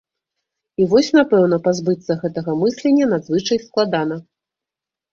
І вось, напэўна, пазбыцца гэтага мыслення надзвычай складана.